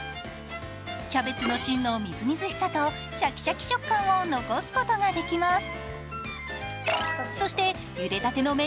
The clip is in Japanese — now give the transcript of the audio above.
キャベツの芯のみずみずしさとシャキシャキ食感を残すことができます。